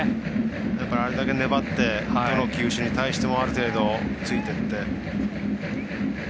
あれだけ粘ってどの球種に対してもある程度、ついていって。